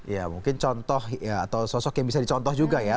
ya mungkin contoh atau sosok yang bisa dicontoh juga ya